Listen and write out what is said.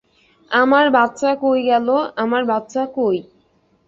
আমার বাচ্চা কই গেল-আমার বাচ্চা কই।